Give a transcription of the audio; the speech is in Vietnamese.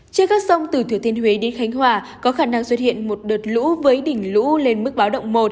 trên các sông từ thừa thiên huế đi khánh hòa có khả năng xuất hiện một đợt lũ với đỉnh lũ lên mức báo động một